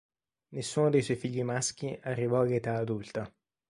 Nessuno dei suoi figli maschi arrivò all'età adulta.